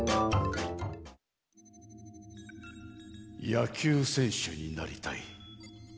「やきゅうせんしゅになりたい」。